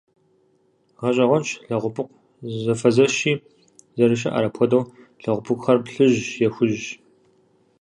Гъэщӏэгъуэнщ лэгъупыкъу зэфэзэщи зэрыщыӏэр, апхуэдэ лэгъупыкъухэр плъыжьщ е хужьщ.